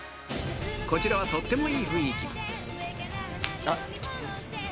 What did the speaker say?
こちらはとってもいい雰囲気あっ。